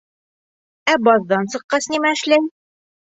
Ә баҙҙан сыҡҡас, нимә эшләй?